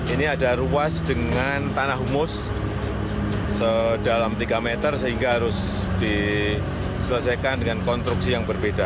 ini ada ruas dengan tanah humus sedalam tiga meter sehingga harus diselesaikan dengan konstruksi yang berbeda